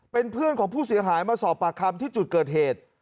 เป็นเพื่อนของผู้เสียหายมาสอบปากคำที่จุดเกิดเหตุ